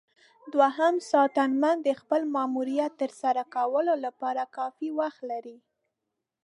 دوهم ساتنمن د خپل ماموریت ترسره کولو لپاره کافي وخت لري.